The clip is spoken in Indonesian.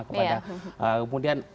kemudian pan juga menyerahkan nama ahi